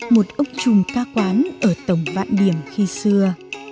một ông trùm ca quán ở tổng vạn điểm khi xưa